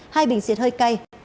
hai bình xiệt hơi cay